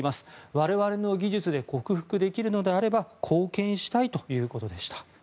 我々の技術で克服できるのであれば貢献したいということでした。